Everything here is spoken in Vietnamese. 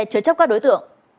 chớ chấp các đối tượng